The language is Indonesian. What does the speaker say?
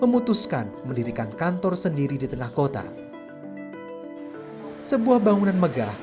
memutuskan mendirikan kantor sendiri di tengah kota